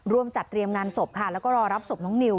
รวมจัดเตรียมงานศพและรอรับศพน้องนิ้ว